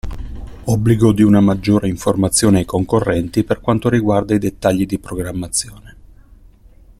Obbligo di una maggiore informazione ai concorrenti per quanto riguarda i dettagli di programmazione.